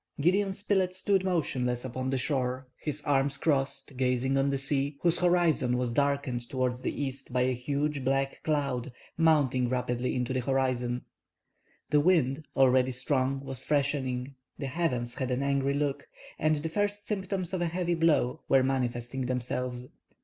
Gideon Spilett stood motionless upon the shore, his arms crossed, gazing on the sea, whose horizon was darkened towards the east by a huge black cloud mounting rapidly into the zenith. The wind, already strong, was freshening, the heavens had an angry look, and the first symptoms of a heavy blow were manifesting themselves.